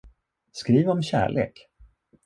Skriv om kärlek!